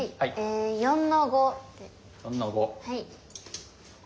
はい。